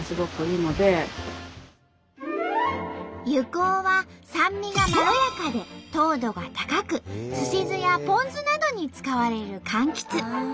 柚香は酸味がまろやかで糖度が高く寿司酢やポン酢などに使われるかんきつ。